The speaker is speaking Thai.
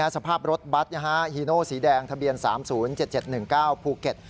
สภาพรถบัตรฮีโนสีแดงทะเบียน๓๐๗๗๑๙ภูเก็ต